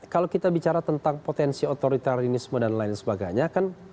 kalau kita bicara tentang potensi otoritarisme dan lain sebagainya